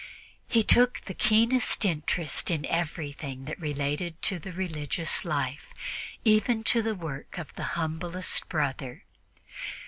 He took the keenest interest in everything that related to the religious life, even to the work of the humblest brother.